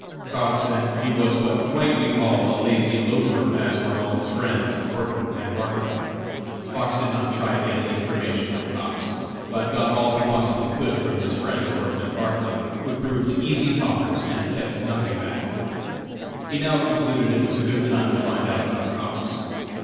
Cox, and he was what might be called a lazy loafer, as were also his friends, Horton and Barclay. Fox did not try to get any information from Cox, but got all he possibly could from his friends, Horton and Barclay, who proved easy talkers and kept nothing back. He now concluded it was a good time to find out about Cox.